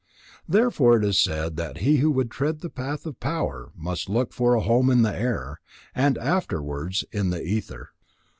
Therefore it is said that he who would tread the path of power must look for a home in the air, and afterwards in the ether.